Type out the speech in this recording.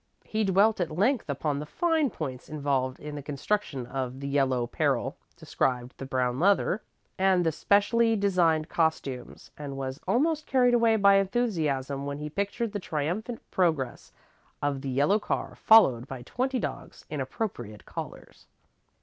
He dwelt at length upon the fine points involved in the construction of "The Yellow Peril," described the brown leather and the specially designed costumes, and was almost carried away by enthusiasm when he pictured the triumphant progress of the yellow car, followed by twenty dogs in appropriate collars.